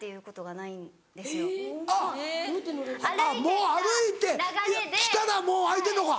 もう歩いて来たらもう開いてんのか。